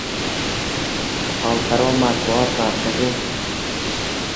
xalqaro matbuot markazi.